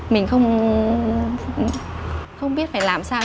mình không biết phải làm sao